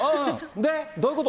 で、どういうこと？